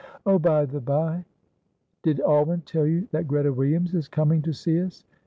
"Oh, by the bye, did Alwyn tell you that Greta Williams is coming to see us?